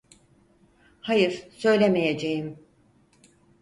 Hayır, söylemeyeceğim.